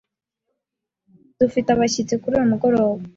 Dufite abashyitsi kuri uyu mugoroba.